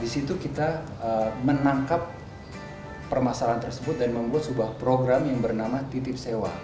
di situ kita menangkap permasalahan tersebut dan membuat sebuah program yang bernama titip sewa